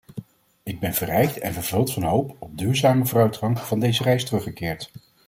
Ik ben verrijkt en vervuld van hoop op duurzame vooruitgang van deze reis teruggekeerd.